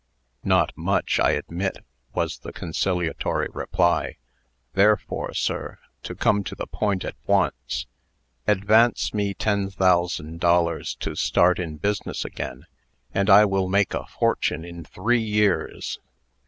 "Not much, I admit," was the conciliatory reply. "There fore, sir, to come to the point at once, advance me ten thousand dollars to start in business again, and I will make a fortune in three years.